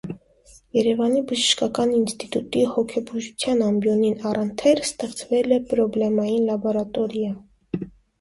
Երևանի բժշկական ինստիտուտի հոգեբուժության ամբիոնին առընթեր ստեղծել է պրոբլեմային լաբորատորիա։